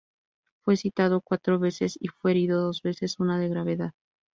Fue citado cuatro veces, y fue herido dos veces, una de gravedad.